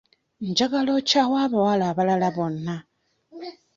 Njagala okyawe abawala abalala bonna.